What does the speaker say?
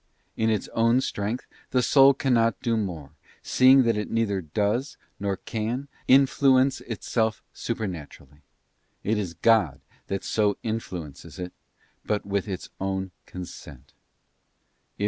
In its own strength the soul cannot do more, seeing that it neither does, nor can, influence itself supernaturally ; it is God that so influences it, but with its own consent.